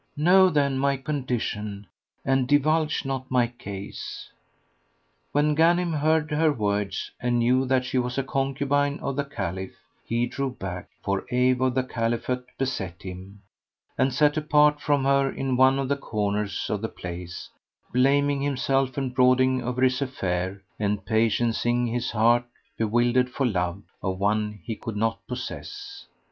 Know then my condition and divulge not my case." When Ghanim heard her words and knew that she was a concubine of the Caliph, he drew back, for awe of the Caliphate beset him, and sat apart from her in one of the corners of the place, blaming himself and brooding over his affair and patiencing his heart bewildered for love of one he could not possess.